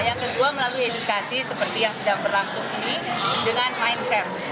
yang kedua melalui edukasi seperti yang sedang berlangsung ini dengan mindset